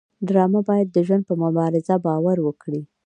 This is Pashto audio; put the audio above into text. ډرامه باید د ژوند په مبارزه باور ورکړي